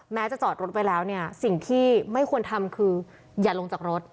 จะจอดรถไว้แล้วเนี่ยสิ่งที่ไม่ควรทำคืออย่าลงจากรถ